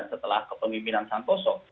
setelah kepemimpinan santoso